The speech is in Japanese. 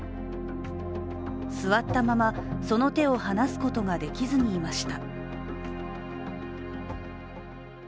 座ったまま、その手を放すことができずにいました。